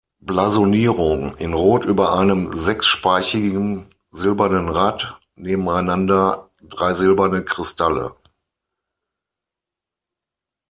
Blasonierung: "In Rot über einem sechsspeichigen silbernen Rad nebeneinander drei silberne Kristalle.